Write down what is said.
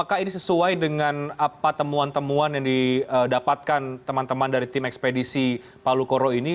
apakah ini sesuai dengan apa temuan temuan yang didapatkan teman teman dari tim ekspedisi palu koro ini